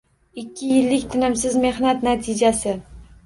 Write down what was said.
Ikki yillik tinimsiz mehnat natijasi.